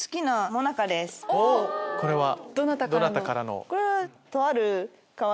これはどなたからの？